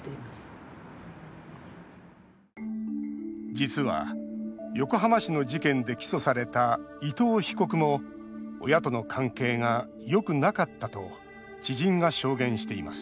実は横浜市の事件で起訴された伊藤被告も親との関係がよくなかったと知人が証言しています。